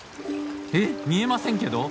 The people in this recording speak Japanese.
えっ見えませんけど！？